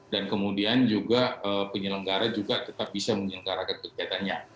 dan kemudian juga penyelenggara juga tetap bisa menyelenggarakan kegiatannya